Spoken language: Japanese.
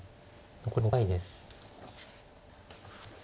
残り５回です。